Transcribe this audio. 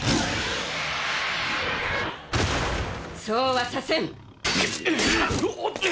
そうはさせん。